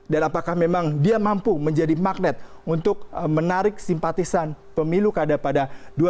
dan apakah memang dia mampu menjadi magnet untuk menarik simpatisan pemilu keadaan pada dua ribu delapan belas